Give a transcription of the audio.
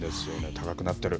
高くなってる。